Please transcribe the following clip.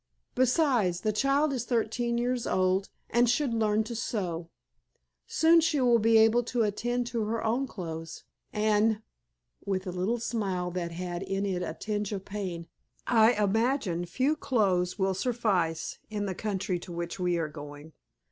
Beside, the child is thirteen years old, and should learn to sew. Soon she will be able to attend to her own clothes. And"—with a little smile that had in it a tinge of pain,—"I imagine few clothes will suffice in the country to which we are going."